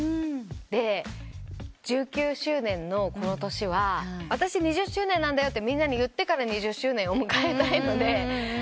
で１９周年のこの年は「私２０周年なんだよ」とみんなに言ってから２０周年を迎えたいので。